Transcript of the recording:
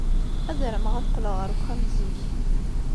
Ad armeɣ ad d-qqleɣ ɣer uxxam zik.